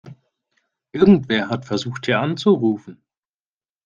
Irgendwer hat versucht, hier anzurufen.